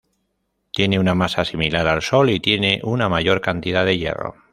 Tiene una masa similar al Sol, y tiene una mayor cantidad de hierro.